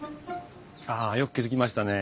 ああよく気付きましたね。